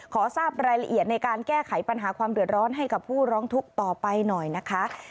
ทราบรายละเอียดในการแก้ไขปัญหาความเดือดร้อนให้กับผู้ร้องทุกข์ต่อไปหน่อยนะคะ